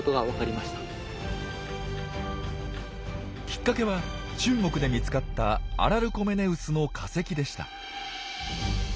きっかけは中国で見つかったアラルコメネウスの化石でした。